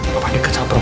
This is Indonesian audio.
papa dipercaya sama mama